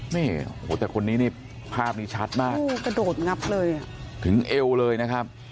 นี่โอ้โหแต่คนนี้นี่ภาพนี้ชัดมากโอ้กระโดดงับเลยอ่ะถึงเอวเลยนะครับ